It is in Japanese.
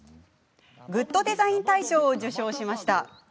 グッドデザイン大賞を受賞しました。